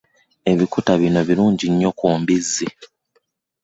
Ebikuta bino birungi nnyo ku mbizzi.